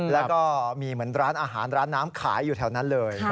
แล้วก็มีเหมือนร้านอาหารร้านน้ำขายอยู่แถวนั้นเลย